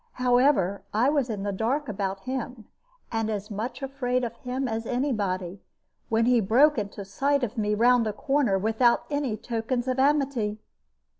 However, I was in the dark about him, and as much afraid of him as any body, when he broke into sight of me round a corner, without any tokens of amity.